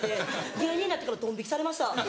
芸人になってからドン引きされました。